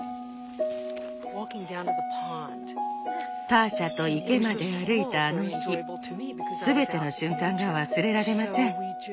Ｎｏ．ターシャと池まで歩いたあの日全ての瞬間が忘れられません。